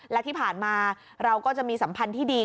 และที่ผ่านมาเราก็จะมีสัมพันธ์ที่ดี